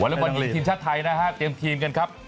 วาเลวัลย์มันหญิงทีมชาติไทยปรับทริปของกันก่อน